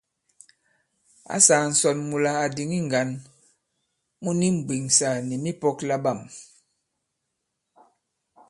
Ǎ sāā ǹsɔn mula à dìŋi ŋgǎn mu ni mbwèŋsà nì mipɔ̄k laɓâm.